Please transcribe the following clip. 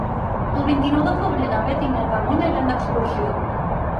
El vint-i-nou de febrer na Bet i na Ramona iran d'excursió.